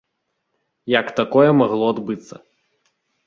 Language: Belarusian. Як такое магло адбыцца?